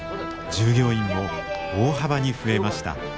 従業員も大幅に増えました。